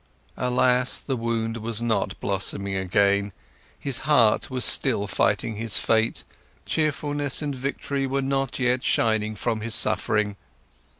Alas, the wound was not blossoming yet, his heart was still fighting his fate, cheerfulness and victory were not yet shining from his suffering.